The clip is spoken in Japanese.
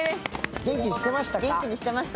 元気にしてました。